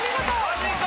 マジか！